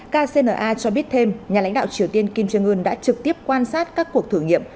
kcna cho biết thêm nhà lãnh đạo triều tiên kim jong un đã trực tiếp quan sát các cuộc thử nghiệm